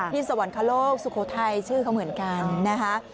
ที่สหวัลคลุกศุโครไทยชื่อเขาเหมือนกัน